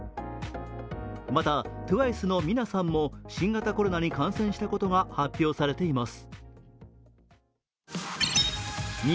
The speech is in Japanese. またＴＷＩＣＥのミナさんも新型コロナに感染したことが発表されています。